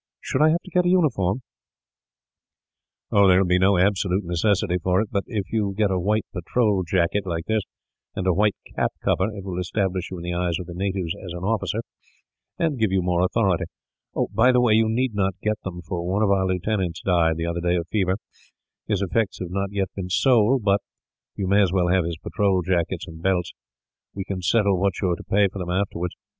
Should I have to get a uniform?" "There will be no absolute necessity for it; but if you get a white patrol jacket, like this, and a white cap cover, it will establish you in the eyes of the natives as an officer, and give you more authority. Oh, by the way, you need not get them, for one of our lieutenants died, the other day, of fever. His effects have not been sold, yet; but you may as well have his patrol jackets and belts. We can settle what you are to pay for them, afterwards.